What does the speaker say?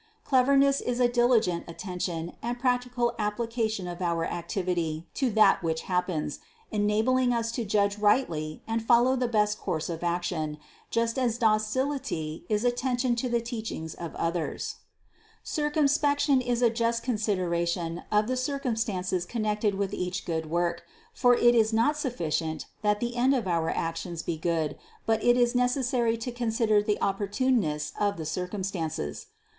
Cleverness is a diligent attention and practical application of our activity to that which hap pens, enabling us to judge rightly and follow the best course of action, just as docility is attention to the teach ings of others. Circumspection is a just consideration of the circumstances connected with each good work; for it is not sufficient that the end of our actions be good, but it is necessary to consider the opportuneness of the circum stances.